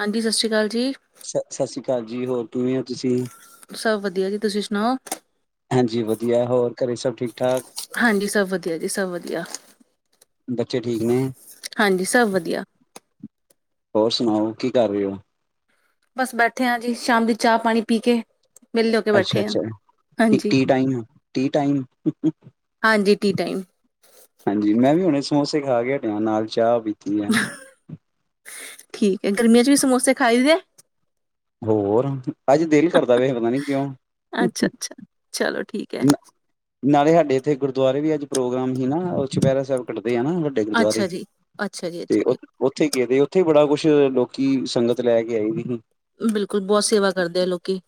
ਹਾਂਜੀ ਸਤਿ ਸ਼੍ਰੀ ਅਕਾਲ ਜੀ। ਸ ਸਤਿ ਸ਼੍ਰੀ ਅਕਾਲ ਜੀ ਹੋਰ। ਕਿਵੇਂ ਹੋ ਤੁਸੀਂ? ਸਭ ਵਧੀਆ ਜੀ ਤੁਸੀਂ ਸੁਣਾਓ ਹਾਂਜੀ ਵਧੀਆ ਹੋਰ ਘਰੇ ਸਭ ਠੀਕ ਠਾਕ ਹਾਂਜੀ ਸਭ ਵਧੀਆ ਜੀ ਸਭ ਵਧੀਆ। ਬੱਚੇ ਠੀਕ ਨੇ। ਹਾਂਜੀ ਸਭ ਵਧੀਆ। ਹੋਰ ਸੁਣਾਓ ਕੀ ਕਰ ਰਹੇ ਔ। ਬਸ ਬੈਠੇ ਹਾਂ ਜੀ ਸ਼ਾਮ ਦੀ ਚਾਹ ਪਾਣੀ ਪੀ ਕੇ। ਵਿਹਲੇ ਹੋ ਕੇ ਬੈਠੇ ਆ ਅੱਛਾ-ਅੱਛਾ। ਹਾਂਜੀ ਟੀ ਟਾਈਮ, ਟੀ ਟਾਈਮ ਹਾਂਜੀ ਟੀ ਟਾਈਮ ਹਾਂਜੀ ਮੈਂ ਵੀ ਹੁਣੇ ਸਮੋਸੇ ਖਾ ਕੇ ਹਟਿਆ ਨਾਲ ਚਾਹ ਵੀ ਪੀ ਤੀਰ ਏ ਠੀਕ ਹੈ। ਗਰਮੀਆਂ ਚ ਵੀ ਸਮੋਸੇ ਖਾਈਦੇ ਏ ਹੋਰ ਅੱਜ ਦਿਲ ਕਰਦਾ ਪਿਆ ਸੀ ਪਤਾ ਨੀ ਕਿਉਂ ਅੱਛਾ ਅੱਛਾ ਚਲੋ ਠੀਕ ਹੈ ਨਾਲੇ ਆਡੇ ਇੱਥੇ ਗੁਰਦੁਆਰੇ ਵੀ ਅੱਜ ਪ੍ਰੋਗਰਾਮ ਸੀ ਨਾ ਛੁਪਹਿਰਾ ਸਾਹਿਬ ਕੱਟਦੇ ਆ ਨਾ ਵੱਡੇ ਗੁਰਦੁਆਰੇ ਅੱਛਾ ਜੀ ਅੱਛਾ ਜੀ ਤੇ ਅੱਛਾ ਜੀ ਉੱਥੇ ਗਏ ਦੇ ਉੱਥੇ ਬੜਾ ਕੁੱਛ ਲੋਕੀ ਸੰਗਤ ਲੈ ਕੇ ਆਈ ਦੀ ਸੀ। ਬਿਲਕੁਲ ਬਹੁਤ ਸੇਵਾ ਕਰਦੇ ਆ ਲੋਕੀ।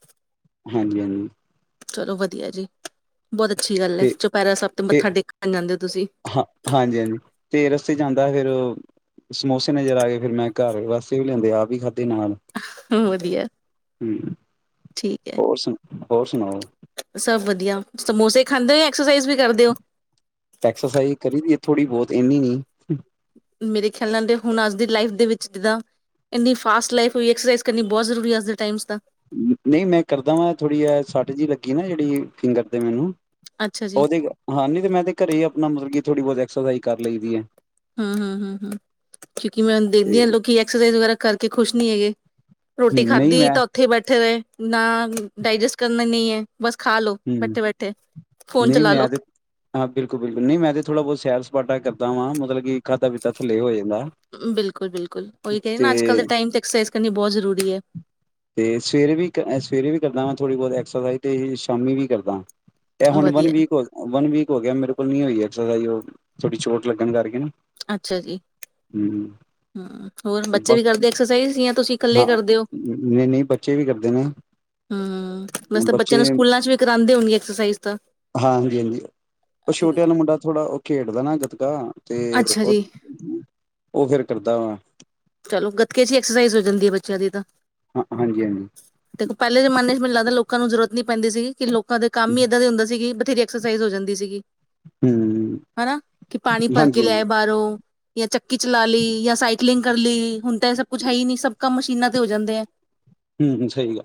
ਹਾਂਜੀ-ਹਾਂਜੀ। ਚਲੋ ਵਧੀਆ ਜੀ। ਬਹੁਤ ਅੱਛੀ ਗੱਲ ਹੈ ਤੇ ਚੁਪਹਿਰਾ ਸਭ ਤੋਂ ਤੇ ਮੱਥਾ ਟੇਕਣ ਆ ਜਾਂਦੇ ਹੋ ਤੁਸੀਂ। ਹਾਂ ਹਾਂਜੀ ਹਾਂਜੀ ਤੇ ਰਸਤੇ ਜਾਂਦਾ ਫਿਰ ਸਮੋਸੇ ਨਜ਼ਰ ਆਗੇ ਫੇਰ ਮੈਂ ਘਰ ਵਸੇ ਵੀ ਲਿਆਦੇ ਆਪ ਵੀ ਖਾਧੇ ਨਾਲ। ਹਮ ਵਧੀਆ। ਹੂੰ ਠੀਕ ਹੈ ਹੋਰ ਸੁਣਾਓ ਹੋਰ ਸੁਣਾਓ। ਸਭ ਵਧੀਆ ਸਮੋਸੇ ਖਾਂਦੇ ਹੋ ਐਕਸਰਸਾਈਜ਼ ਵੀ ਕਰਦੇ ਹੋ। ਐਕਸਰਸਾਈਜ਼ ਕਰੀ ਦੀ ਥੋੜੀ ਬਹੁਤ ਇੰਨੀ ਨੀ ਮੇਰੇ ਖਿਆਲ ਨਾਲ ਹੁਣ ਅੱਜ ਦੀ ਲਾਈਫ ਦੇ ਵਿੱਚ ਜਿੱਦਾਂ ਇੰਨੀ ਫਾਸਟ ਲਾਈਫ ਹੋਈ ਐਕਰਸਾਈਜ਼ ਕਰਨੀ ਬਹੁਤ ਜ਼ਰੂਰੀ ਹੈ ਅੱਜ ਦੇ ਟਾਈਮ ਚ ਤਾਂ ਨਹੀਂ ਮੈਂ ਕਰਦਾ ਵਾਂ ਥੋੜ੍ਹੀ ਜੇ ਸਟ ਜਿਹੀ ਲੱਗੀ ਨਾ ਜਿਹੜੀ ਫਿੰਗਰ ਤੇ ਮੈਨੂੰ ਅੱਛਾ ਜੀ ਉਹਦੀ ਗ ਹਾਂ ਨੀ ਤੇ ਮੈਂਦੇ ਘਰੇ ਹੀ ਆਪਣਾ ਮਤਲਬ ਕੀ ਥੋੜ੍ਹੀ ਬਹੁਤ ਐਕਸਰਸਾਈਜ਼ ਕਰ ਲਈ ਦੀ ਏ। ਹੂੰ ਹੂੰ ਹੂੰ ਹੂੰ ਕਿਉਂਕਿ ਮੈਂ ਤੇ ਦੇਖਦੀ ਹਾਂ ਲੋਕ ਐਕਸਰਸਾਈਜ਼ ਵਗੈਰਾ ਕਰਕੇ ਖੁਸ਼ ਨੀ ਹੈਗੇ। ਰੋਟੀ ਹੂੰ, ਨਹੀਂ ਖਾਧੀ ਮੈਂ ਤਾਂ ਉੱਥੇ ਹੀ ਬੈਠੇ ਰਹੇ ਨਾ ਡਾਇਜੈਸਟ ਕਰਨਾ ਨਹੀਂ ਹੈ। ਬਸ ਖਾ ਲੋ ਹੂੰ ਬੈਠੇ ਬੈਠੇ ਫੋਨ ਨਹੀਂ ਚਲਾ ਲੋ ਮੈਂ ਤੇ ਹਾਂ ਬਿਲਕੁਲ ਬਿਲਕੁਲ ਨਹੀਂ ਮੈਂ ਤੇ ਥੋੜਾ ਬਹੁਤ ਸੈਰ ਸਪਾਟਾ ਕਰਦਾ ਵਾ ਮਤਲਬ ਕਿ ਖਾਧਾ ਪੀਤਾ ਥੱਲੇ ਹੋ ਜੇ। ਬਿਲਕੁਲ ਬਿਲਕੁਲ ਉਹੀ ਕਹੇ ਨਾ ਅੱਜ ਕਲ ਦੇ ਟਾਈਮ ਤੇ ਐਕਸਾਈਜ਼ ਕਰਨੀ ਬਹੁਤ ਜ਼ਰੂਰੀ ਹੈ। ਤੇ ਸਵੇਰੇ ਵੀ ਸਵੇਰੇ ਵੀ ਕਰਦਾ ਵਾ ਥੋੜ੍ਹੀ ਬਹੁਤ ਐਕਸਰਸਾਈਜ਼ ਤੇ ਸ਼ਾਮੀ ਵੀ ਕਰਦਾ ਇਹ ਹੁਣ ਵਨ ਵਧੀਆ ਵੀਕ ਹੋ ਵਨ ਵੀਕ ਹੋ ਗਿਆ ਮੇਰੇ ਕੋਲ ਨੀ ਹੋਈ ਹੈ। ਉਹ ਥੋੜ੍ਹੀ ਚੋਟ ਲੱਗਣ ਕਰਕੇ ਨਾ ਅੱਛਾ ਜੀ ਹੂੰ ਹੂੰ ਹੋਰ ਬੱਚੇ ਬ ਵੀ ਕਰਦੇ ਐਕਸਰਸਾਈਜ਼ ਜਾਂ ਤੁਸੀਂ ਕੱਲੇ ਹਾਂ ਕਰਦੇ ਹੋ। ਨਹੀਂ ਨਹੀਂ ਬੱਚੇ ਵੀ ਕਰਦੇ ਨੇ ਹੂੰ ਵੈਸੇ ਤਾਂ ਬੱਚਿਆਂ ਨੂੰ ਸਕੂਲਾਂ ਚ ਵੀ ਕਰਾਂਦੇ ਹੋਣਗੇ। ਐਕਸਾਈਜ਼ ਹਾਂ ਹਾਂਜੀ ਹਾਂਜੀ ਉਹ ਛੋਟੇ ਆਲਾ ਮੁੰਡਾ ਥੋੜ੍ਹਾ ਉਹ ਖੇਡਦਾ ਨਾ ਗੱਤਕਾ ਤੇ ਅੱਛਾ ਜੀ ਉਹ ਫੇਰ ਕਰਦਾ ਵਾ ਚਲੋ ਗੱਤਕੇ ਚ ਐਕਸਰਸਾਈਜ਼ ਹੋ ਜਾਂਦੀ ਹੈ ਬੱਚਿਆਂ ਦੀ ਤਾਂ ਹਾਂ ਹਾਂਜੀ ਦੇਖੋ ਪਹਿਲੇ ਜਮਾਨੇ ਚ ਮੈਨੂੰ ਲੱਗਦਾ ਲੋਕ ਲੋਕਾਂ ਨੂੰ ਜਰੂਰਤ ਨਹੀਂ ਪੈਂਦੀ ਸੀਗੀ ਕਿ ਲੋਕ ਲੋਕਾਂ ਦੇ ਕੰਮ ਹੀ ਏਦਾਂ ਦੇ ਹੁੰਦੇ ਸੀਗੇ ਤੇ ਐਕਸਰਸਾਈਜ਼ ਹੋ ਜਾਂਦੀ ਸੀਗੀ। ਹਨਾ ਕਿ ਪਾਣੀ ਭਰ ਕੇ ਹਾਂਜੀ ਹੂੰ ਹਾਂਜੀ ਹਾਂਜੀ ਲੈ ਬਾਹਰੋਂ ਜਾਂ ਚੱਕੀ ਚਲਾ ਲਈ ਜਾਂ ਸਾਈਕਲਿੰਗ ਕਰ ਲਈ। ਹੁਣ ਤਾਂ ਇਹ ਸਭ ਕੁਛ ਹੈ ਹੀ ਨਹੀਂ ਸਭ ਕੰਮ ਮਸ਼ੀਨਾਂ ਤੇ ਹੋ ਜਾਂਦੇ ਹੈ। ਹੂੰ ‌ਹੂੰ ਸਹੀ ਗ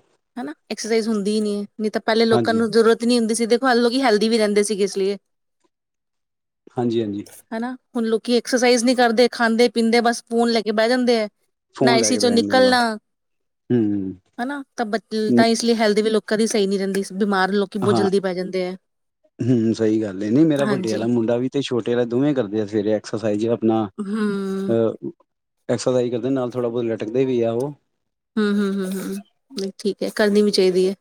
ਐਕਸਰਸਾਈਜ਼ ਹੁੰਦੀ ਹੀ ਨਹੀਂ ਨਹੀਂ ਤਾਂ ਪਹਿਲੇ ਲੋਕਾਂ ਨੂੰ ਜ਼ਰੂਰਤ ਨਹੀਂ ਹੁੰਦੀ ਸੀ ਤੇ ਪਹਿਲੇ ਲੋਕੀਂ ਹੈਲਦੀ ਵੀ ਰਹਿੰਦੇ ਸੀਗੇ ਇਸ ਲੀਏ ਹਾਂਜੀ, ਹਾਂਜੀ ਹੁਣ ਲੋਕੀਂ ਐਕਸਰਸਾਈਜ਼ ਨਹੀਂ ਕਰਦੇ ਖਾਂਦੇ ਪੀਂਦੇ ਬਸ ਫੋਨ ਲੈ ਕੇ ਬਹਿ ਜਾਂਦੇ ਏ ਨਾ ਫੋਨ ਲੈ ਏਸ਼ੀ ਕੇ ਬਹਿ ਚੋਂ ਜਾਂਦੇ ਨੇ ਬਾਹਰ ਨਿਕਲਣਾ ਹੂੰ ਹਨਾ, ਤਾਂ ਬ ਹੂੰ ਇਸ ਲਈ ਹੈਲਦੀ ਵੀ ਲੋਕ ਕਦੀ ਸਹੀ ਨੀ ਰਹਿੰਦੀ। ਬਿਮਾਰ ਲੋਕੀ ਬਹੁਤ ਹਾਂ ਜਲਦੀ ਪੈ ਜਾਂਦੇ ਹੈ। ਹੂੰ ਸਹੀ ਗੱਲ ਹੈ, ਨਹੀਂ ਮੇਰਾ ਵੱਡੇ ਹਾਂਜੀ, ਵਾਲਾ ਮੁੰਡਾ ਵੀ ਤੇ ਛੋਟੇ ਵਾਲਾ ਦੋਵੇਂ ਕਰਦੇ ਆ ਸਵੇਰੇ ਐਕਸਰਸਾਈਜ਼ ਆਪਣਾ ਹੂੰ, ਅਹ ਐਕਸਰਸਾਈਜ਼ ਕਰਦੇ ਨਾਲ ਥੋੜ੍ਹਾ ਬਹੁਤ ਲਟਕਦੇ ਵੀ ਆ ਉਹ ਹੂੰ-ਹੂੰ-ਹੂੰ-ਹੂੰ ਠੀਕ ਹੈ, ਕਰਨੀ ਵੀ ਚਾਹੀਦੀ ਹੈ,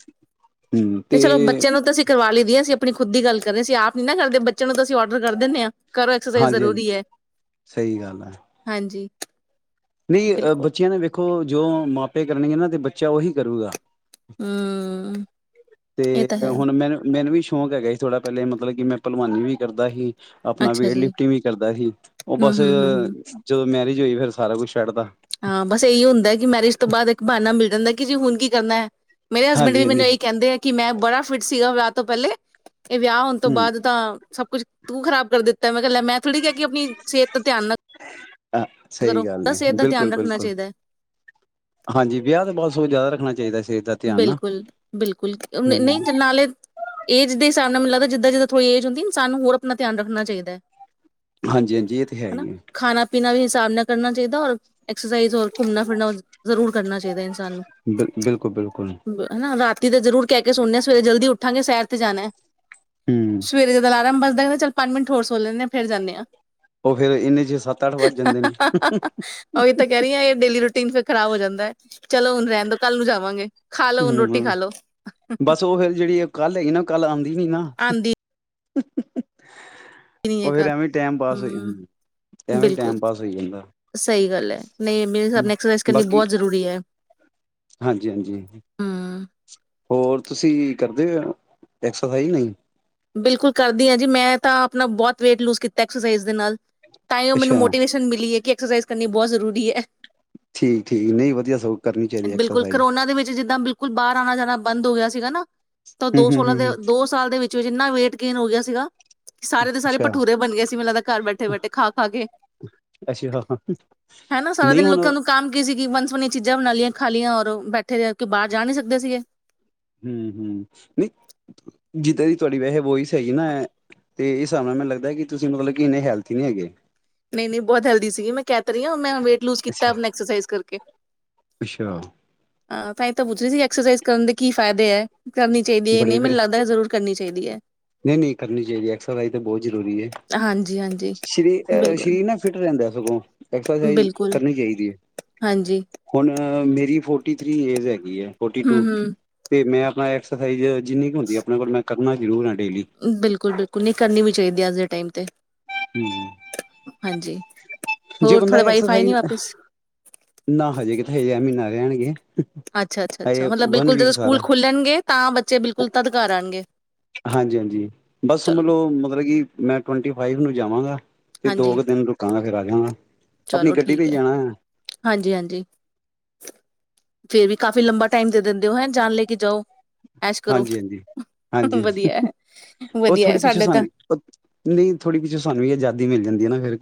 ਤੇ ਚਲੋ ਬੱਚਿਆਂ ਨੂੰ ਤਾਂ ਅਸੀਂ ਕਰਵਾ ਲਈ ਦੀ ਐ ਅਸੀਂ [unintelligible] ਆਪਣੀ ਖੁਦ ਦੀ ਗੱਲ ਕਰਨੀ ਸੀ, ਆਪ [unintelligible] ਨਾ ਕਰਦੇ ਬੱਚਿਆਂ ਨੂੰ ਤਾਂ ਅਸੀਂ ਔਡਰ ਕਰ ਦਿੰਨੇ ਆ ਕਰੋ, ਐਕਸਰਸਾਈਜ਼ ਹਾਂਜੀ ਹਾਂਜੀ ਜ਼ਰੂਰੀ ਹੈ ਸਹੀ ਗੱਲ ਹੈ ਹਾਂਜੀ। ਨਹੀਂ ਅ ਬਿਲਕੁਲ, ਬੱਚਿਆਂ ਨੇ ਵੇ ਦੇਖੋ, ਜੋ ਮਾਪੇ ਕਰਨੇਗੇ ਨਾ ਤੇ ਬੱਚਾ ਉਹੀ ਕਰੂਗਾ। ਹੂੰ, ਏ ਤਾਂ ਤੇ ਹੈ। ਹੁਣ ਮੈਨ ਮੈਨੂੰ ਵੀ ਸ਼ੌਂਕ ਹੈਗਾ ਸੀ, ਥੋੜ੍ਹਾ ਪਹਿਲੇ ਮਤਲਬ ਕਿ ਮੈਂ ਭਲਵਾਨੀ ਵੀ ਕਰਦਾ ਹੀ ਆਪਣਾ ਅੱਛਾ ਵੇਟ ਜੀ, ਲਿਫਟਿੰਗ ਵੀ ਕਰਦਾ ਸੀ, ਉਹ ਹੂੰ, ਬਸ ਹੂੰ, ਹੂੰ, ਹੂੰ। ਜਦੋਂ ਮੈਰਿਜ ਹੋਈ ਫਿਰ ਸਾਰਾ ਕੁਛ ਛੱਡਦਾ ਹਾਂ, ਬਸ ਇਹੀ ਹੁੰਦਾ ਕਿ ਮੈਰਿਜ ਤੋਂ ਬਾਅਦ ਇੱਕ ਬਹਾਨਾ ਮਿਲ ਜਾਂਦਾ। ਕਿ ਜੀ ਹੁਣ ਕੀ ਕਰਨਾ ਹੈ। ਮੇਰੇ ਹਸਬੈਂਡ ਹਾਂਜੀ ਵੀ ਹਾਂਜੀ ਮੈਨੂੰ ਇਹ ਕਹਿੰਦੇ ਹੈ। ਕਿ ਮੈਂ ਬੜਾ ਫਿਟ ਸੀਗਾ ਵਿਆਹ ਤੋਂ ਪਹਿਲੇ, ਇਹ ਵਿਆਹ ਹੋਣ ਤੋਂ ਹੂੰ ਬਾਅਦ ਤਾਂ ਸਭ ਕੁਛ ਤੂੰ ਖ਼ਰਾਬ ਕਰ ਦਿੱ ਤ ਮੈਂ ਕਿਹਾ ਲੇ ਮੈਂ। ਥੋੜੀ ਕਹਿਕੇ ਆਪਣੀ ਸਿਹਤ ਦਾ ਧਿਆਨ ਨਾ ਕਰੋ, ਸਿਹਤ ਦਾ ਧਿਆਨ ਰੱਖਣਾ ਬਿਲਕੁਲ-ਬਿਲਕੁਲ ਚਾਹੀਦਾ ਹੈ ਹਾਂਜੀ ਵਿਆਹ ਤੋਂ ਬਹੁਤ ਸੋ ਜ਼ਿਆਦਾ ਰੱਖਣਾ ਚਾਹੀਦਾ ਸੀ। ਬਿਲਕੁਲ-ਬਿਲਕੁਲ ਨ ਹੂੰ ਨਹੀਂ ਨਾਲੇ ਏਜ ਦੇ, ਸ [unintelligible] ਨਾਲ ਮੈ ਲਗਦਾ, ਜਿੱਦ ਥੋੜੀ ਏ ਹੁੰਦੀ ਸਾਨੂੰ ਹੋਰ ਆਪਣਾ ਧਿਆਨ ਰੱਖਣਾ ਚਾਹੀਦਾ। ਹਾਂਜੀ'ਹਾਂਜੀ ਇਹ ਤਾਂ ਹੈ ਹੀ ਆ। ਉਹਨਾਂ ਕਰਨਾ ਚਾਹੀਦਾ ਔਰ, ਐਕਸਰਸਾਈਜ਼ ਔਰ ਘੁੰਮਣਾ ਫਿਰਨਾ ਜ਼ਰੂਰ ਕਰਨਾ ਚਾਹੀਦਾ ਇਨਸਾਨ ਨੂੰ ਬਿਲ ਬਿਲਕੁਲ ਬਿਲਕੁਲ ਹਨਾ, ਰਾਤੀ ਤਾਂ ਜ਼ਰੂਰ ਕਹਿ ਕੇ ਸੁਣਦੇ ਹਾਂ ਸਵੇਰੇ ਜਲਦੀ ਉੱਠਾਂਗੇ ਸੈਰ ਜਾਣਾ। ਹੂੰ ਸਵੇਰੇ ਜਦੋਂ ਅਲਾਰਮ ਬਜਦਾ ਲੱਗਦਾ ਚ ਪੰਜ ਮਿੰਟ ਹੋਰੋ ਲੈਂਦੇ ਆ ਫਿਰ ਜਾਂਨੇ ਹਾਂ। ਉਹ ਫੇਰ ਇੰਨੇ ਚ ਸੱਤ ਅੱਠ ਵੱਜ ਜਾਂਦੇ ਨੇ ਉਹੀ ਤਾਂ ਕਹਿ ਰਹੀ ਹ ਇਹ ਡੇਲੀ ਰੂਟੀਨ ਫਿਰ ਖ਼ਰਾਬ ਹੋ ਜਾਂਦਾ ਹੈ ਚਲੋ ਹੁਣ ਰਹਿਣ ਦੋ ਕੱਲ੍ਹ ਨੂੰ ਜਾਵਾਂਗੇ ਖਾ ਲੋ ਹੁਣ ਰੋਟੀ ਹਮ ਖਾ ਲੋ ਬਸ ਉਹ ਫੇਿਰ ਜਿਹੜੀ ਕੱਲ ਹੈਗੀ ਨਾ ਕੱਲ ਆਉਂਦੀ ਨੀ ਨਾ ਹ ਗੱਲ ਹ ਐਵੇਂ ਬਿਲਕੁਲ ਟਾਈਮ ਪਾਸ ਹੋਈ ਜਾਂਦਾ ਸਹੀ ਗੱਲ ਹੈ ਨਹੀਂ ਮੇਰੇ ਹਿਸਾਬ ਨਾਲ ਐਕਸਰਸਾਈਜ਼ ਕਰਨੀ ਬਾਕੀ ਬਹੁਤ ਜ਼ਰੂਰੀ ਹੈ ਹਾਂਜੀ ਹਾਂਜੀ ਹੂੰ ਹੋਰ ਤੁਸੀਂ ਕਰਦੇ ਹੋ ਐਕਸਰਸਾਈਜ਼ ਨਹੀਂ ਬਿਲਕੁਲ ਕਰਦੀ ਹਾਂ ਜੀ ਮੈਂ ਤਾਂ ਆਪਣਾ ਬਹੁਤ ਵੇਟ ਲੂਜ ਕੀਤਾ ਐਕਸਰਸਾਈਜ਼ ਦੇ ਨਾਲ ਤਾਂ ਉਹ ਮੈਨੂੰ ਅੱਛਾ ਮੋਟੀਵੇਸ਼ਨ ਮਲੀ ਹੈ ਕਿ ਐਕਸਾਈਜ਼ ਕਰਨੀ ਬਹੁਤ ਜ਼ੂਰੀ ਜ਼ਰੂਰੀ ਹੈ ਠੀਕ ਠੀਕ ਨਹੀਂ ਵਧੀਆ ਸਗੋਂ ਕਰਨੀ ਚਾਹੀਦੀ ਬਿਲਕੁਲ ਐਕਸਰਸਾਈਜ਼ ਕਰੋਨਾ ਦੇ ਵਿੱਚ ਜਿੱਦਾਂ ਬਿਲਕੁਲ ਬਾਹਰ ਆਉਣਾ ਜਾਣਾ ਬੰਦ ਹੋ ਗਿਆ ਹੈ ਨਾ ਤਾਂ ਹੂੰ ਦੋ ਹੂੰ ਸੋਲਾਂ ਹੂੰ ਦੇ ਹੂੰ ਦੋ ਸਾਲ ਦੇ ਵਿੱਚ ਐਨਾ ਵੇਟ ਗੇਨ ਹੋ ਗਿਆ ਸੀਗਾ ਸਾਰੇ ਦੇ ਸਾਰੇ ਅੱਛਾ ਭਠੂਰੇ ਬਣ ਗਏ ਸੀ ਮੈਨੂੰ ਲੱਗਦਾ ਘਰ ਬੈਠੇ ਬੈਠੇ ਖਾ ਖਾ ਕੇ ਅੱਛਾ ਹਨਾ ਸਾਰਾ ਨਹੀਂ ਦਿਨ ਹੁਣ ਲੋਕ ਉਹਨ ਨੂੰ ਕੰਮ ਕੀ ਸੀ ਕਿ ਵਨ ਸੁ ਵਨੀ ਚੀਜ਼ਾਂ ਬਣਾ ਲਈੀਆਂ ਖਾ ਲਈੀਆਂ ਔਰ ਬੈਠੇ ਬਾਹਰ ਜਾ ਨਹੀਂੀ ਸਕਦੇ ਸੀਗੇ ਹਮ ਹਮ ਨਹੀਂ ਜਿੱਦਾਂ ਦੀ ਤੁਹਾਡੀ ਵੈਸੇ ਵੋਹੀ ਸਹੀ ਨਾ ਤੇ ਇਸ ਹਿਸਾਬ ਨਾਲ ਮੈਨੂੰ ਲੱਗਦਾ ਕਿ ਤੁਸੀਂ ਮਤਲਬ ਕਿ ਇੰਨੇ ਹੈਲਥੀ ਨਹੀਂੀ ਹੈਗੇ ਨਹੀਂ ਨਹੀਂ ਬਹੁਤ ਹੈਲਦੀ ਸੀਗੀ ਮੈਂ ਕਹਿ ਰਹੀ ਹ ਮੈਂ ਵੇਟ ਲੂਜ ਅੱਛਾ ਕੀਤਾ ਐਸ ਕਰਕੇ ਅੱਛਾ ਤਾਂ ਤਾਂ ਪੁੱਛਣੀ ਸੀ ਐਕਸਰਸਾਈਜ਼ ਕਰਨ ਦੇ ਕੀ ਫਾਇਦੇ ਹੈ ਕਰਨੀ ਚਾਹੀਦੀ ਹੈ ਨਹੀਂ ਬੜੇ ਮੈਨੂੰ ਲੱਗਦਾ ਜ਼ਰੂਰ ਕਰਨੀ ਚਾਹੀਦੀ ਹੈ ਨਹੀਂ-ਨਹੀਂ ਕਰਨੀ ਚਾਹੀਦੀ ਐਕਸਰਸਾਈਜ਼ ਤਾਂ ਬਹੁਤ ਜ਼ਰੂਰੀ ਹੈ। ਹਾਂਜੀ ਹਾਂਜੀ ਸਰੀ ਬਿਲਕੁਲ ਸਰੀਰ ਨਾ ਫਿੱਟ ਰਹਿੰਦਾ ਸਗੋ ਐਕਸਰਸਾਈਜ਼ ਬਿਲਕੁਲ ਕਰਨੀ ਚਾਹੀਦੀ ਹੈ ਹਾਂਜੀ ਹੁਣ ਮੇਰੀ ਫੋਰਟੀ ਥ੍ਰਰੀ ਏਜ ਹੈ ਫਟੀ ਹੂੰ ਟੂ ਹੂੰ ਤੇ ਮੈਂ ਹ ਖਾਈ ਜਾ ਜਿੰਨੀ ਕੁ ਹੁੰਦੀ ਆਪਣੇ ਕੋਲ ਮੈਂ ਕਰਨਾ ਜ਼ਰੂਰ ਹੈ। ਬਿਲਕੁਲ-ਬਿਲਕੁਲ ਨਹੀਂ ਕਰਨੀ ਵੀ ਚਾਹੀਦੀ ਅੱਜ ਦੇ ਟਾਈਮ ਤੇ ਹਾਂਜੀ, ਜੇ ਹੋਰ ਬੰਦਾ ਥੋੜਾ ਵਾਈਫਾਈ ਨੀ ਐਕਸਰਸਾਈਜ਼ ਵਾਪਿਸ ਨਾ ਹਜੇ ਕਿਤੇ ਹਜੇ ਮਹੀਨਾ ਰਹਿਣਗੇ ਅੱਛਾ-ਅੱਛਾ- ਅੱਛਾ ਹਜੇ ਮਤਲਬ ਵਨ ਬਿਲਕੁਲ ਜਦੋਂ ਵੀਕ ਸਾਰਾ ਸਕੂਲ ਖੁੱਲਣਗੇ, ਤਾਂ ਬੱਚੇ ਬਿਲਕੁਲ ਤਦ ਘਰ ਆਣਗੇ। ਹਾਂਜੀ-ਹਾਂਜੀ ਬਸ ਚਲੋ ਮਤਲੋ ਮਤਲਬ ਕਿ ਮੈਂ ਟਵੰਟੀ ਫਾਈਵ ਨੂੰ ਜਾਵਾਂਗਾ ਤੇ ਦੋ ਹਾਂਜੀ ਕੁ ਦਿਨ ਰੁਕਾਂ ਫਿਰ ਆਜਾਗਾਂ ਚਲੋ ਠੀਕ ਹੈ, ਹਾਂਜੀ-ਹਾਂਜੀ ਫਿਰ ਵੀ ਕਾਫੀ ਲੰਬਾ ਟਾਈਮ ਤੇ ਦਿੰਦੇ ਹੋ ਹੈ ਜਾਣ ਲੈ ਕੇ ਜਾਓ ਐਸ਼ ਕਰੋ ਹਾਂਜੀ- ਹਾਂਜੀ-ਹਾਂਜੀ ਹਾਂ ਵਧੀਆ ਹੈ ਉਹ ਵਧੀਆ ਹੈ, ਥੋੜੀ ਪਿੱਛੋਂ ਸਾਡੇ ਤਾਂ ਸਾਨੂੰ ਉਹ ਨਹੀਂ ਥੋੜੀ ਪਿੱਛੋਂ ਸਾਨੂੰ ਵੀ ਆਜ਼ਾਦੀ ਮਿਲ ਜਾਂਦੀ ਹੈ ਨਾ ਫੇਰ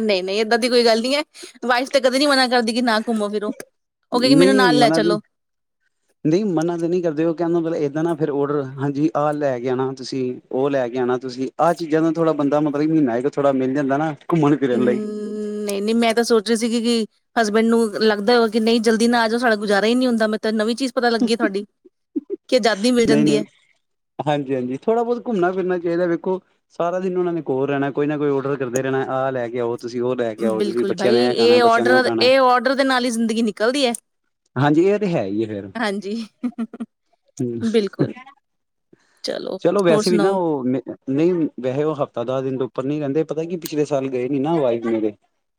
ਨਹੀਂ-ਨਹੀਂ ਏਦਾਂ ਦੀ ਕੋਈ ਗੱਲ ਨਹੀਂ ਹੈ। ਵਾਈਫ ਤੇ ਕਦੇ ਨੀ ਮਨਾ ਕਰਦੀ ਕਿ ਨਾ ਘੁੰਮੋ ਫਿਰੋ ਉਹ ਕਹੇਗੀ ਮੈਨੂੰ ਨਹੀਂ ਨਾਲ ਲੈ ਮਨਾ ਤੇ ਚਲੋ। ਨਹੀਂ ਮਨਾ ਤੇ ਨਹੀਂ ਕਰਦੇ ਉਹ ਕਹਿੰਦਾ ਮਤਲਬ ਏਦਾਂ ਨਾ ਫਿਰ ਓਡਰ ਹਾਂਜੀ ਆਹ ਲੈ ਕੇ ਆਣਾ ਤੁਸੀਂ ਉਹ ਲੈ ਕੇ ਆਣਾ ਤੁਸੀਂ ਆਹ ਚੀਜ਼ਾਂ ਦਾ ਥੋੜਾ ਬੰਦਾ ਮਤਲਬ ਮਹੀਨਾ ਹੈ ਥੋੜਾ ਮਿਲ ਜਾਂਦਾ ਨਾ ਘੁੰਮਣ ਫਿਰਨ ਲਈ ਹੂੰ ਨਹੀਂ-ਨਹੀਂ ਮੈਂ ਤਾਂ ਸੋਚ ਸੀਗੀ ਕਿ ਹਸਬੈਂਡ ਨੂੰ ਲੱਗਦਾ ਹੋ ਕਿ ਨਹੀਂ ਜਲਦੀ ਨਾ ਆ ਜਾਓ ਸਾਡਾ ਗੁਜ਼ਾਰਾ ਹੀ ਨੀ ਹੁੰਦਾ ਮੈਂ ਨਵੀਂ ਚੀਜ਼ ਪਤਾ ਲੱਗੀ ਹੈ ਤੁਹਾਡੀ। ਕਿ ਆਜ਼ਾਦੀ ਮਿਲ ਜਾਂਦੀ ਨਹੀਂ-ਨਹੀਂ, ਹੈ ਹਾਂਜੀ- ਹਾਂਜੀ ਥੋੜ੍ਹਾ ਬਹੁਤ ਘੁੰਮਣਾ ਫਿਰਨਾ ਚਾਹੀਦਾ ਵੇਖੋ ਸਾਰਾ ਦਿਨ ਉਹਨਾਂ ਨੇ ਕੋਲ ਰਹਿਣਾ ਕੋਈ ਨਾ ਕੋਈ ਆਰਡਰ ਕਰਦੇ ਰਹਿਣਾ, ਆਹ ਲੈ ਕੇ ਆਓ। ਤੁਸੀਂ ਉਹ ਲੈ ਕੇ ਆਓ ਤੁਸੀਂ ਬਿਲਕੁਲ ਬੱਚਿਆਂ ਬਾਈ ਨੇ ਖਾਣਾ ਇਹ ਬੱਚਿਆਂ ਨੇ ਉਹ ਔਡਰ ਖਾਣਾ ਇਹ ਔਡਰ ਦੇ ਨਾਲ ਹੀ ਜ਼ਿੰਦਗੀ ਨਿਕਲਦੀ ਹੈ। ਹਾਂਜੀ ਇਹ ਤੇ ਹੈ ਹੀ ਹੈ ਫੇਰ ਹਾਂਜੀ ਬਿਲਕੁਲ ਹ ਚਲੋ ਹੋਰ ਵੈਸੇ ਵੀ ਨਾ ਸੁਣਾਓ ਉਹ ਨਹੀਂ ਵੈਸੇ ਉਹ ਹਫ਼ਤਾ ਦਸ ਦਿਨ ਤੋਂ ਉੱਪਰ ਨਈ ਰਹਿੰਦੇ ਪਤਾ ਕੀ ਪਿਛਲੇ ਸਾਲ ਗਏ ਨੀ ਨਾ ਆ ਵਾਈਫ ਮੇਰੇ।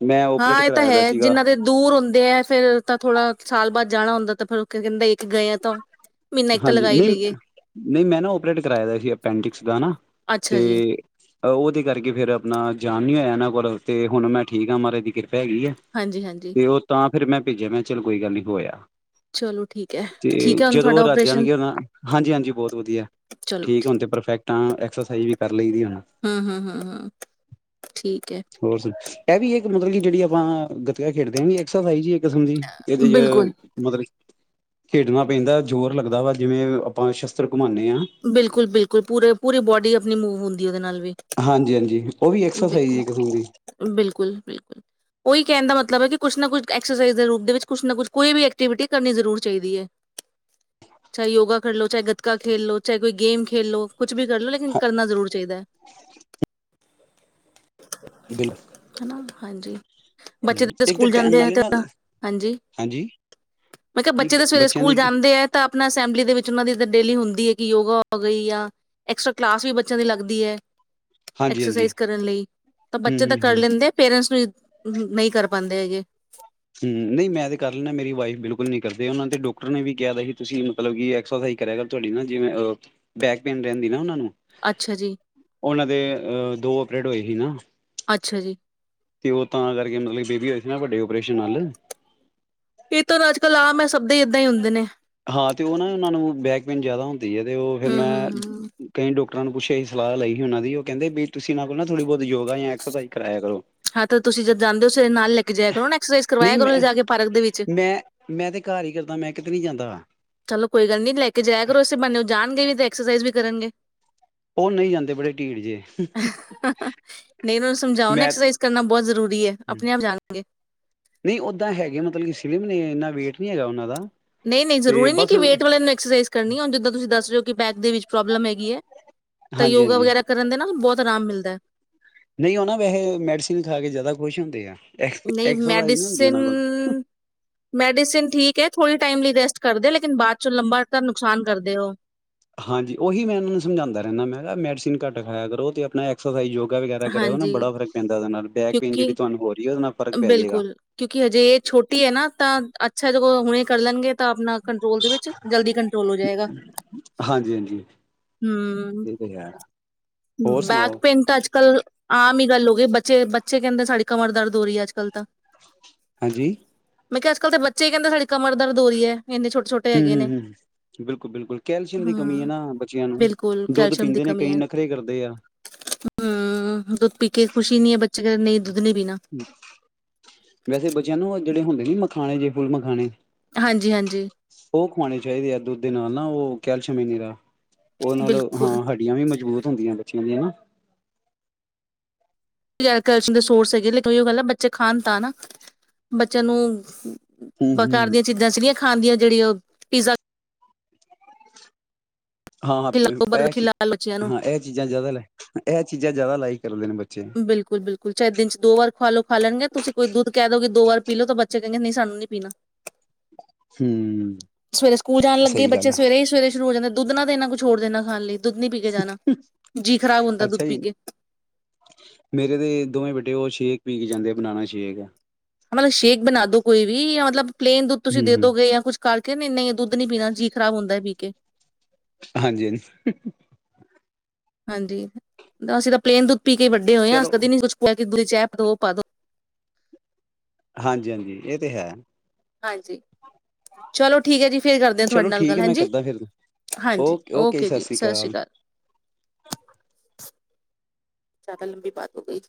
ਮੈਂ ਓਪਰੇਟ ਹਾਂ ਇਹ ਤਾਂ ਕਰਾਇਆ ਦਾ ਹੈ, ਸੀਗਾ ਜਿੰਨਾਂ ਦੇ ਦੂਰ ਹੁੰਦੇ ਐ ਫੇਰ ਤਾਂ ਥੋੜ੍ਹਾ ਸਾਲ ਬਾਅਦ ਜਾਣਾ ਹੁੰਦਾ ਤੇ ਫੇਰ ਉਹ ਕਹਿੰਦੇ ਇੱਕ ਗਏ ਆ ਤਾਂ ਮਹੀਨਾ ਇੱਕ ਤਾਂ ਹਾਂਜੀ, ਲਗਾ ਹੀ ਨਹੀਂ- ਲਈਏ ਨਹੀਂ ਮੈਂ ਨਾ ਓਪਰੇਟ ਕਰਵਾਇਆ ਦਾ ਸੀ ਅਪੈਂਡਿਕਸ ਦਾ ਤੇ ਅੱਛਾ ਜੀ ਉਹਦੇ ਕਰਕੇ ਫਿਰ ਆਪਣਾ ਜਾਣ ਨੀ ਹੋਇਆ। ਨਾਂ ਕੋਲ ਤੇ ਹੁਣ ਮੈਂ ਠੀਕ ਆ ਮਾਹਰਾਜ ਦੀ ਕਿਰਾ ਪੈਗੀ ਆ ਹਾਂਜੀ-ਹਾਂਜੀ, ਤੇ ਉਹ ਤਾਂ ਫੇਰ ਮੈਂ ਭੇਜਿਆ ਮੈਂ ਕਿਹਾ ਚਲ ਕੋਈ ਗੱਲ ਨੀ। ਗੋਇਆ ਚਲੋ ਠੀਕ ਹੈ ਠੀਕ ਹੈ ਹੁਣ ਤੁਹਾਡਾ ਉਹ ਰੱਜ ਓਪਰੇਸ਼ਨ ਜਾਣਗੇ ਉਹ ਹਾਂਜੀ ਹਾਂਜੀ ਬਹੁਤ ਵਧੀਆ ਠੀਕ ਹੁਣ ਤੇ ਪਰਫੈਕਟ ਹ ਸਹੀ ਵੀ ਕਰ ਲਈ ਦੀ ਹੁਣ ਹਾਂ ਹਾਂ ਹਾਂ ਹਾਂ ਠੀਕ ਹੈ। ਹੋਰ ਸੁ ਇਹ ਵੀ ਇੱਕ ਮਤਲਬ ਕਿ ਜਿਹੜੀ ਆਪਾਂ ਖੇਡਦੇ ਆ ਐਕਸਰਸਾਈ ਇੱਕ ਕਿਸਮ ਦੀ ਇਹਦੇ ਚ ਬਿਲਕੁਲ। ਮਤਲਬ ਖੇਡਣਾ ਪੈਂਦਾ ਜ਼ੋਰ ਲੱਗਦਾ ਵਾ ਜਿਵੇਂ ਆਪਾਂ ਸ਼ਸਤਰ ਘੁਮਾਉਂਦੇ ਹਾਂ ਬਿਲਕੁਲ ਬਿਲਕੁਲ ਪੂਰੇ ਪੂਰੀ ਬੋਡੀ ਆਪਣੀ ਮੂਵ ਹੁੰਦੀ ਉਹਦੇ ਨਾਲ ਹਾਂਜੀ ਹਾਂਜੀ ਉਹ ਵੀ ਐਕਸਰਸਾਈਜ਼ ਬਿਲਕੁਲ ਇੱਕ ਕਿਸਮ ਦੀ ਬਿਲਕੁਲ ਬਿਲਕੁਲ ਉਹੀ ਕਹਿੰਦਾ ਮਤਲਬ ਮਤਲਬ ਕਿ ਕੁਛ ਨਾ ਕੁਛ ਐਕਸਰਸਾਈਜ਼ ਦੇ ਰੂਪ ਦੇ ਵਿੱਚ ਕੁਛ ਨਾ ਕੁਛ ਕੋਈ ਵੀ ਐਕਟੀਵਿਟੀ ਕਰਨੀ ਜ਼ਰੂਰ ਚਾਹੀਦੀ ਹੈ ਚਾਹੇ ਯੋਗਾ ਕਰ ਲਓ ਚਾਹੇ ਗੱਤਕਾ ਖੇਲ ਲੋ ਚਾਹੇ ਕੋਈ ਗੇਮ ਖੇਲੋ ਕੁਛ ਵੀ ਕਰ ਲਓ ਲੇਕਿਨ ਕਰਨਾ ਜ਼ਰੂਰ ਚਾਹੀਦਾ ਹੈ ਹਨਾ, [unintelligible] ਹਾਂਜੀ ਬੱਚੇ ਬਿਲਕੁਲ ਦੇ ਇੱਕ ਤਾਂ ਸਕੂਲ ਟੈਮ ਜਾਂਦੇ ਹੈ ਨਾਲੇ ਤਾਂ ਨਾ ਹਾਂਜੀ ਹਾਂਜੀ ਮੈਂ ਕਿਹਾ ਕੀ ਬੱਚੇ ਦੇ ਸਵੇਰੇ ਬੱਚਿਆਂ ਸਕੂਲ ਜਾਂਦੇ ਹੈ ਤਾਂ ਆਪਣਾ ਅਸੈਂਬਲੀ ਦੇ ਵਿੱਚ ਉਹਨਾਂ ਦੀ ਇੱਦ ਡੇਲੀ ਹੁੰਦੀ ਹੈ ਕਿ ਯੋਗਾ ਹੋ ਗਈ ਆ ਐਕਸਟਰਾ ਕਲਾਸ ਵੀ ਬੱਚਿਆਂ ਦੀ ਲੱਗਦੀ ਹੈ ਹਾਂਜੀ ਹਾਂਜੀ ਐਕਸਰਸਾਈਜ਼ ਕਰਨ ਲਈ ਤਾਂ ਹਮ ਬੱਚੇ ਤਾਂ ਹਮ ਕਰ ਹਮ ਹਮ ਲੈਂਦੇ ਆ ਪੇਰੈਂਟਸ ਨੂੰ ਨਹੀਂ ਕਰ ਪਾਉਂਦੇ ਹੈਗੇੇ ਹਮ ਨਹੀਂ ਮੈਂ ਤੇ ਕਰ ਲੈਣਾ ਮੇਰੀ ਵਾਈਫ ਬਿਲਕੁਲ ਨੀ ਕਰਦੇ ਉਹਨਾਂ ਤੇ ਡਾਕਟਰ ਨੇ ਵੀ ਕਿਹਾ ਦਾ ਸੀ ਤੁਸੀਂ ਮਤਲਬ ਕਿ ਐਕਸਰਸਾਈਜ਼ ਕਰਿਆ ਕਰ ਤੁਹਾਡੀ ਨਾ ਜਿਵੇਂ ਬੈਕਪੇਨ ਰਹਿੰਦੀ ਨਾ ਉਹਨਾਂ ਨੂੰ ਅੱਛਾ ਜੀ ਉਹਨਾਂ ਦੇ ਅਹ ਦੋ ਆਪਰੇ ਹੋਏ ਸੀ ਨਾ ਅੱਛਾ ਜੀ ਤੇ ਉਹ ਤਾਂ ਕਰਕੇ ਮਤਲਬ ਬੇਬੀ ਹੋ ਨਾ ਵੱਡੇ ਪੇਸ਼ ਨਾਲ ਇਹ ਤਾਂ ਅੱਜ ਕੱਲ ਆਮ ਹੈ ਸਭ ਦੇ ਹੀ ੱਦਾਂ ਹੀ ਹੁੰਦੇ ਨੇ ਹਾਂ ਤੇ ਉਹ ਨਾ ਉਹਨਾਂ ਨੂੰ ਬੈਕਪੇਨ ਜ਼ਿਆਦਾ ਹੁੰਦਾ ਤੇ ਉਹ ਫਿਰ ਹਮ ਮੈਂ ਹਮ ਹਮ ਕਈ ਡਕਟਰ ਨੂੰੱਛ ਇਹ ਸਲਾਹ ਲਈ ਸੀ ਉਹਨਾਂ ਦੀ ਉਹ ਕਹਿੰਦੇ ਵੀ ਤੁਸੀ ਇਹਨਾਂ ਕੋਲ ਨਾ ਥੋੜੀ ਬਹੁਤ ਯੋਗਾ ਜਾਂ ਐਕਸਾਈਜ਼ ਕਰਾਇਆ ਕਰੋ ਹਾਂ ਤੇ ਤੁਸੀਂ ਜਦ ਜਾਂਦੇ ਹੋ ਵੇਰੇ ਨਾਲ ਲੈ ਕੇ ਜਾਇਆ ਕਰੋ ਨਾ ਐਕਸਰਸਾਈਜ਼ ਨਹੀਂ ਕਰਵਾਇਆ ਕਰੋ ਮੈਂ ਜਾ ਕੇ ਪਾਰਕ ਦੇ ਵਿੱਚ ਮੈਂ ਮੈਂ ਤੇ ਘਰ ਹੀ ਕਰਦਾ ਮੈਂ [unintelligible] ਚਲੋ ਕੋਈ ਗੱਲ ਨੀ ਲੈ ਕੇ ਜਾਇਆ ਕਰੋ ਅਂ ਬੰਨੇ ਉਹ ਜਾਣਗੇ ਵੀ ਤੇ ਐਕਸਰਸਾਈਜ਼ ਵੀ ਕਰਨਗੇ ਉਹ ਨਹੀਂ ਜਾਂਦੇ ਬੜੇ ਢੀਡ ਜੇ। ਨਹੀਂ ਉਹਨਾਂ ਨੂੰ ਸਮਝਾਓ ਨਾ ਮੈਂ ਐਕਸਰਸਾਈਜ਼ ਕਰਨਾ ਬਹੁਤ ਜ਼ਰੂਰੀ ਹੈ ਆਪਣੇ ਆਪ ਜਾਣਗੇ ਨਹੀਂ ਓਦਾਂ ਹੈਗੇ ਮਤਲਬ ਨੇ ਇੰਨਾ ਵੇਟ ਨੀ ਹੈਗਾ ਉਹਨਾਂ ਦਾ। ਨਹੀਂ ਨਹੀਂ ਤੇ ਜ਼ਰੂਰੀ ਨਹੀਂ ਬਸ ਕਿ ਵੇਟ ਵਾਲਿਆਂ ਨੂੰ ਐਕਸਰਸਾਈਜ਼ ਕਰਨੀ ਜਿੱਦਾਂ ਤੁਸੀਂ ਦੱਸ ਰਹੇ ਕਿ ਬੈਕ ਦੇ ਵਿੱਚ ਪ੍ਰੋਬਲਮ ਹੈਗੀ ਹੈ। ਤਾਂ ਹਾਂਜੀ ਯੋਗਾ ਹਾਂਜੀ ਵਗੈਰਾ ਕਰਨ ਦੇ ਨਾ ਬਹੁਤ ਆਰਾਮ ਮਿਲਦਾ ਹੈ। ਨਹੀਂ ਉਹ ਨਾ ਵੈਸੇ ਮੈਡੀਸਨ ਖਾ ਕੇ ਜ਼ਿਆਦਾ ਖੁਸ਼ ਹੁੰਦੇ ਆ। ਨਹੀਂ ਐਕਸਰਸਾਈਜ਼ ਨਹੀਂ ਹੁੰਦੀ ਮੈਡੀਸਨ ਉਹਨਾਂ ਕੋਲ ਮੈਡੀਸਿਨ ਠੀਕ ਹੈ। ਥੋੜ੍ਹੀ ਟਾਈਮ ਲਈ ਰੈਸਟ ਕਰਦੇ ਲੇਕਿਨ ਬਾਅਦ ਚ ਲੰਬਾ ਤ ਨੁਕਸਾਨ ਕਰਦੇ ਹੋ। ਹਾਂਜੀ ਉਹੀ ਮੈਂ ਇਹਨਾਂ ਨੂੰ ਸਮਝਾਦਾ ਰਹਿੰਦਾ ਮੈਂ ਕਿਹਾ ਮੈਡੀਸਨ ਘੱਟ ਖਾਇਆ ਕਰੋ ਤੇ ਆਪਣਾ ਐਕਸਰਸਾਈਜ਼ ਯੋਗਾ ਵਗੈਰਾ ਕਰੀਆ ਕਰੋ ਓ ਨਾ ਹਾਂਜੀ ਬੜਾ ਫ਼ਰਕ ਪੈਂਦਾ ਉਹਦੇ ਨਾਲ ਬੈਕ ਪੇਨ ਜਿਹੜੀ ਕਿਉਂਕਿ ਤੁਹਾਨੂੰ ਹੋ ਰਹੀ ਹੈ ਉਹਦੇ ਨਾਲ ਫ਼ਰਕ ਪੈ ਜੇਗਾ। ਬਿਲਕੁਲ ਕਿਉਂਕਿ ਹਜੇ ਇਹ ਛੋਟੀ ਹੈ ਨਾ ਤਾਂ ਅੱਛਾ ਜੇ ਹੁਣੇ ਕਰ ਲੈਣਗੇ ਤਾਂ ਆਪਣਾ ਕੰਟਰੋਲ ਦੇ ਵਿੱਚ ਜਲਦੀ ਕੰਟਰੋਲ ਹੋ ਜਾਏਗਾ ਹਾਂਜੀ ਹਾਂਜੀ ਹਮ ਇਹ ਤੇ ਹੈ ਹੋਰ ਬੈਕ ਸੁਣਾਓ ਪੇਨ ਤਾਂ ਅੱਜ ਚੱਲ ਆਮ ਹੀ ਗੱਲ ਹੋ ਗਏ ਬੱਚੇ ਕਹਿੰਦੇ ਸਾਡੀ ਕਮਰ ਦਰਦ ਹੋ ਰਹੀ ਹੈ ਅੱਜ ਕੱਲ੍ਹ ਤਾਂ ਹਾਂਜੀ ਮੈਂ ਕਿਹਾ ਅੱਜ ਕੱਲ ਤਾਂ ਬੱਚੇ ਹੀ ਕਹਿੰਦੇ ਸਾਡੀ ਕਮਰ ਦਰਦ ਹੋ ਰਹੀ ਏ। ਹੂੰ ਹੂੰ ਬਿਲਕੁਲ ਬਿਲਕੁਲ ਕੈਲਸ਼ੀਅਮ ਦੀ ਕਮੀ ਹੈ ਹੂੰ ਨਾ ਬੱਚਿਆਂ ਨੂੰ ਬਿਲਕੁਲ ਦੁੱਧ ਕੈਲਸ਼ੀਅਮ ਦੀ ਪੀਂਦੇ ਨੇ ਕਮੀ ਕਈ ਹੈ ਨਖਰੇ ਕਰਦੇ ਆ। ਹੂੰ ਦੁੱਧ ਪੀ ਕੇ ਖੁਸ਼ੀ ਨੀ ਹੈ ਬੱਚੇ ਕ ਨਹੀਂ ਦੁੱਧ ਨੀ ਪੀਣਾ। ਵੈਸੇ ਬੱਚਿਆਂ ਨੂੰ ਉਹ ਜਿਹੜੇ ਹੁੰਦੇ ਨੀ ਮਖਾਣੇ ਜੇ ਫੁੱਲ ਮਖਾਣੇ ਹਾਂਜੀ ਹਾਂਜੀ ਉਹ ਖਵਾਣੇ ਚਾਹੀਦੇ ਆ ਦੁੱਧ ਦੇ ਨਾਲ ਨਾ ਉਹ ਕੈਲਸ਼ੀਅਮ ਈ ਨੀਰਾ ਉਹ ਨਾਲੋਂ ਬਿਲਕੁਲ ਹਾਂ ਹੱਡੀਆਂ ਵੀ ਮਜਬੂਤ ਹੁੰਦੀਆਂ ਬੱਚਿਆਂ ਦੀ ਹਨਾ ਕੈਲਸ਼ੀਅਮ ਦੇ ਸੋਰਸ ਹੈਗੇ ਲੇਕਿਨ ਉ ਗੱਲ ਆ ਬੱਚੇ ਖਾਣ ਤਾਂ ਨਾ ਬੱਚਿਆਂ ਨੂੰ ਹੂੰ ਬਕਾਰ ਹੂੰ ਦੀਆਂ ਚੀਜ਼ਾਂ ਸੀਗੀਆਂ ਖਾਂਣਦੀਆਂ ਜਿਹੜੀ ਉਹ ਪੀਜ਼ਾ [unintelligible] ਹਾਂ ਹਾਂ ਖਿਲਾ ਲਓ ਬਰਗਰ ਇਹ ਚੀਜ਼ ਖਿਲਾ ਲਓ ਬੱਚਿਆਂ ਨੂੰ ਹਾਂ ਇਹ ਚੀਜ਼ਾਂ ਜ਼ਿਆਦਾ ਲ ਇਹ ਚੀਜ਼ਾਂ ਜ਼ਿਆਦਾ ਲਾਈਕ ਕਰਦੇ ਨੇ ਬੱਚੇ ਬਿਲਕੁਲ ਬਿਲਕੁਲ। ਚਾਰ ਦਿਨ ਚ ਦੋ ਵਾਰ ਖਆ ਲੋ ਖਾਲ ਲਣਗੇ ਤੁਸੀਂ ਕੋਈ ਦੁੱਧ ਕਹਿ ਦੋਗੇ ਦੋ ਵਾਰ ਪੀਲੋ ਤਾਂ ਬੱਚੇ ਕਹਿੰਦੇ ਨਹੀਂ ਸਾਨੂੰ ਨੀ ਪੀਣਾ ਹਮ ਸਵੇਰੇ ਸਕੂਲ ਜਾਣ ਲੱਗੇ ਸਹੀ ਗੱਲ ਬੱਚੇ ਆ ਸਵੇਰੇ ਹੀ ਸਵੇਰੇ ਸ਼ੁਰੂ ਹੋ ਜਾਂਦੇ। ਦੁੱਧ ਨਾ ਦੇਣਾ ਕੁਛ ਹੋਰ ਦੇਣਾ ਖਾਣ ਲਈ ਦੁੱਧ ਨੀ ਪੀ ਕੇ ਜਾਣਾ ਜੀਅ ਖ਼ਰਾਬ ਹੁੰਦਾ ਦੁੱਧ ਅੱਛਾ ਪੀ ਜੀ ਕੇ ਮੇਰੇ ਦੇ ਦੋਵੇਂ ਬੇਟੇ ਉਹ ਛੇਕ ਪੀ ਕੇ ਜਾਂਦੇ ਆ ਬਣਾਣਾ ਸ਼ੇਕ ਮਤਲਬ ਸ਼ੇਕ ਬਣਾ ਦੋ ਕੋਈ ਵੀ ਮਤਲਬ ਪਲੇਨ ਦੁੱਧ ਹਮ ਤੁਸੀਂ ਹਮ ਦੇਦੋ ਗੇ ਜਾਂ ਕੁੱਝ ਕਰਕੇ ਨਹੀਂ ਨਹੀਂ ਦੁੱਧ ਨਹੀਂ ਪੀਣਾ ਜੀ ਖਰਾਬ ਹੁੰਦਾ ਵੀ ਓਕੇ ਹਾਂਜੀ ਹਾਂਜੀ ਹਾਂਜੀ ਤਾਂ ਅਸੀਂ ਤਾਂ ਪਲੇਨ ਦੁੱਧ ਪੀ ਕੇ ਵੱਡੇ ਹੋਏ ਆ ਚਲੋ ਕਦੀ ਨੀ ਕੁਛ [unintelligible] ਹਾਂਜੀ-ਹਾਂਜੀ ਇਹ ਤੇ ਹੈ। ਹਾਂਜੀ ਚਲੋ ਠੀਕ ਹੈ, ਜੀ ਫੇਰ ਕਰਦੇ ਤੁਹਾਡੇ ਚਲੋ ਨਾਲ ਠੀਕ ਗੱਲ ਹੈ ਮੈਂ ਹਾਂਜੀ ਕਰਦਾ ਫਿਰ ਹਾਂਜੀ ਓਕੇ ਜੀ ਸਤਿ ਸ੍ਰੀ ਅਕਾਲ। ਜ਼ਿਆਦਾ ਲੰਬੀ ਬਾਤ ਹੋ ਗਈ।